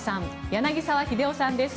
柳澤秀夫さんです。